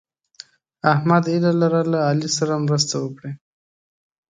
احمد هیله لرله علي مرسته وکړي.